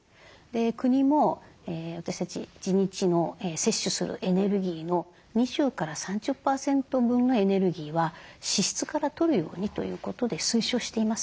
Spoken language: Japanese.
国も私たち１日の摂取するエネルギーの２０３０％分のエネルギーは脂質からとるようにということで推奨しています。